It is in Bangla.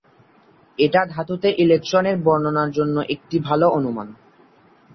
এটা ধাতুতে ইলেকট্রন এর বর্ণনার জন্য একটি ভাল অনুমান।